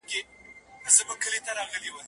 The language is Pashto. نباتي غوړي په کور دننه تولیدېدل.